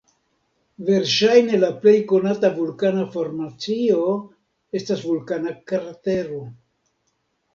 Verŝajne la plej konata vulkana formacio estas vulkana kratero.